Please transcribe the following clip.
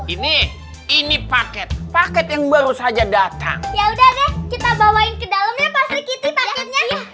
ini ini paket paket yang baru saja datang ya udah deh kita bawain ke dalamnya pasti kita